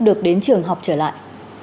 được đến trường học trở lại